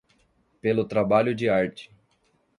Pelo trabalho de arte